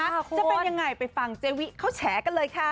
จะเป็นยังไงไปฟังเจวิเขาแฉกันเลยค่ะ